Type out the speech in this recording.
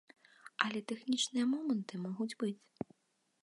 Але тэхнічныя моманты могуць быць.